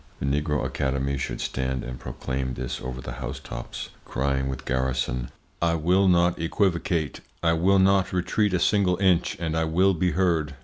The Negro Academy should stand and proclaim this over the housetops, crying with Garrison: I will not equivocate, I will not retreat a single inch, and I will be heard.